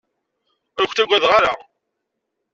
Ur k-ttagadeɣ ara.